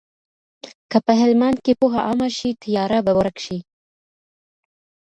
که په هلمند کي پوهه عامه شي، تیاره به ورک شي.